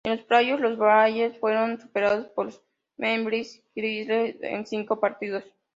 En los playoffs, los Blazers fueron superados por los Memphis Grizzlies en cinco partidos.